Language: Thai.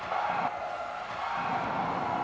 สวัสดีครับทุกคน